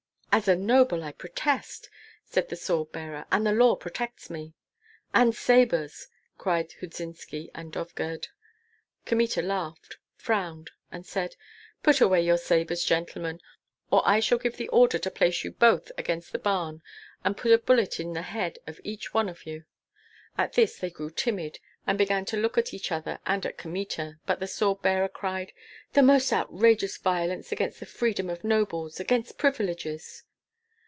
"As a noble, I protest," said the sword bearer, "and the law protects me." "And sabres!" cried Hudzynski and Dovgird. Kmita laughed, frowned, and said, "Put away your sabres, gentlemen, or I shall give the order to place you both against the barn and put a bullet into the head of each one of you." At this they grew timid, and began to look at each other and at Kmita; but the sword bearer cried, "The most outrageous violence against the freedom of nobles, against privileges!"